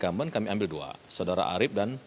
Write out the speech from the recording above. kita mengambilkan hal hal yang trebal